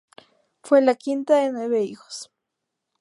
Fue la quinta de nueve hijos.